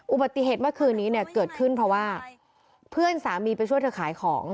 อุบัติเหตุเมื่อคืนนี้เนี่ยเกิดขึ้นเพราะว่าเพื่อนสามีไปช่วยเธอขายของ